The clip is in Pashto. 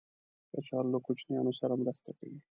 کچالو له کوچنیانو سره مرسته کوي